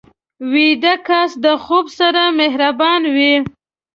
ویده کس د خوب سره مهربان وي